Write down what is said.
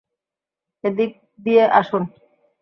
এদিক দিয়ে আসুন!